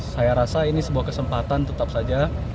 saya rasa ini sebuah kesempatan tetap saja